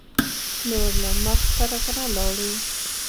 نور نو مخ پر غره لاړو.